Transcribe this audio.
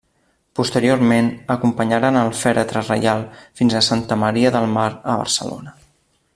Posteriorment, acompanyaren el fèretre reial fins a Santa Maria del Mar a Barcelona.